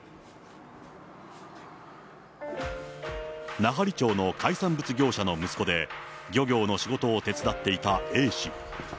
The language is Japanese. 奈半利町の海産物業者の息子で、漁業の仕事を手伝っていたＡ氏。